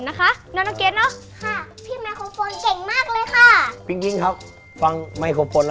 รุ่นดนตร์บุรีนามีดังใบปุ่ม